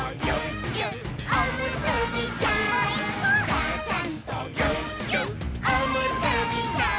「ちゃちゃんとぎゅっぎゅっおむすびちゃん」